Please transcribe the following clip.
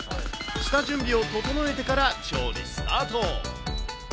下準備を整えてから調理スタート。